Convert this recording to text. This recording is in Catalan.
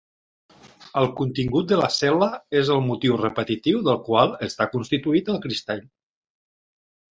El contingut de la cel·la és el motiu repetitiu del qual està constituït el cristall.